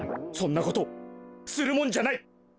そんなことするもんじゃない！